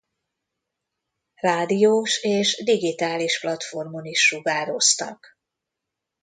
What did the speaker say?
Rádiós és digitális platformon is sugároztak.